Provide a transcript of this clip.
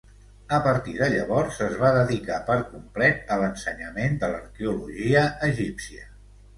A partir de llavors es va dedicar per complet a l'ensenyament de l'arqueologia egípcia.